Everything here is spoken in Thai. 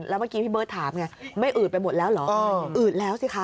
แล้วเมื่อกี้พี่เบิร์ตถามไงไม่อืดไปหมดแล้วเหรออืดแล้วสิคะ